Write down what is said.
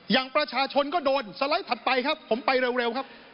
อย่างประชาชนก็โดนสไลด์ถัดไปครับผมไปเร็วครับ